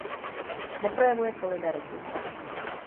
Neprojevuje solidaritu.